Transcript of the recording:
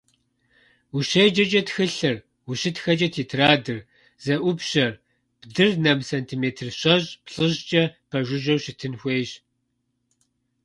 УщеджэкӀэ тхылъыр, ущытхэкӀэ тетрадыр, зэӀупщэр, бдыр нэм сантиметр щэщӀ—плӀыщӀкӀэ пэжыжьэу щытын хуейщ.